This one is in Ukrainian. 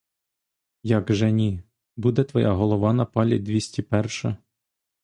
Як же ні — буде твоя голова на палі двісті перша.